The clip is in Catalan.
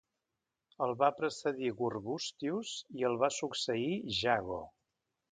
El va precedir Gurgustius i el va succeir Jago.